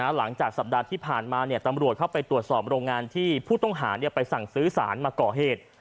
หลังจากสัปดาห์ที่ผ่านมาตำรวจเข้าไปตรวจสอบโรงงานที่ผู้ต้องหาไปสั่งซื้อสารมาก่อเหตุ